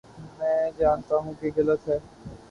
میں جانتا ہوں کہ غلط ہے۔